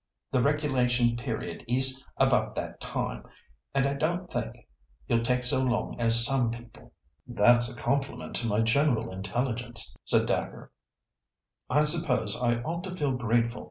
The regulation period is about that time, and I don't think you'll take so long as some people." "That's a compliment to my general intelligence," said Dacre. "I suppose I ought to feel grateful.